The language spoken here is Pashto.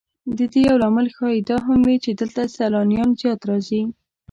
د دې یو لامل ښایي دا هم وي چې دلته سیلانیان زیات راځي.